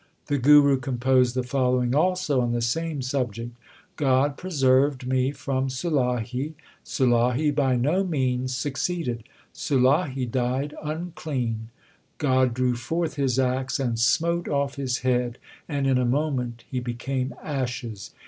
The Guru composed the following also on the same subject : God preserved me from Sulahi. Sulahi by no means succeeded ; Sulahi died unclean. God drew forth His axe and smote off his head, and in a moment he became ashes.